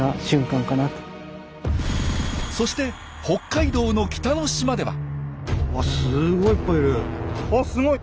そして北海道の北の島では。